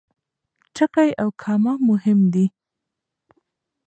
ټکی او کامه مهم دي.